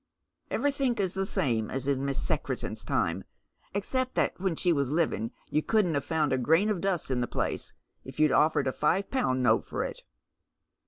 " Everythink is the same as in Miss Secretan's time, except that when she was living you couldn't have found a grain of dust in the place if you'd oifered a five pound note for it."